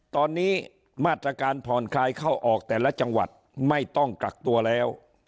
ตอนนี้มาตรการผ่อนคลายเข้าออกแต่ละจังหวัดไม่ต้องกักตัวแล้ว